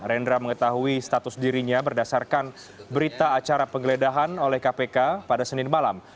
rendra mengetahui status dirinya berdasarkan berita acara penggeledahan oleh kpk pada senin malam